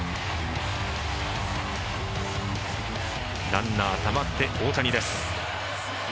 ランナーたまって大谷です。